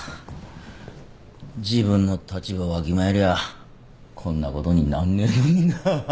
自分の立場をわきまえりゃこんなことになんねえのにな。